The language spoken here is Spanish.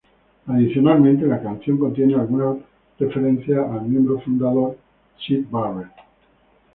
Adicionalmente, la canción contiene algunas referencias al miembro fundador, Syd Barrett.